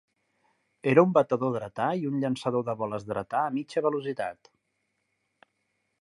Era un batedor dretà i un llançador de boles dretà a mitja velocitat.